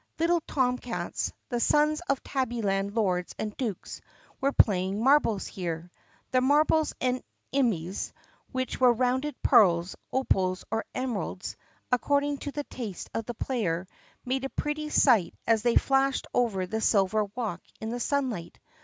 Little tom cats, the sons of Tabbyland lords and dukes, were playing marbles here. The marbles and "immies," which were rounded pearls, opals, or emeralds, according to the taste of the player, made a pretty sight as they flashed over the silver walk in the sunlight.